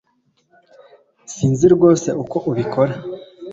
Sinzi rwose uko ubikora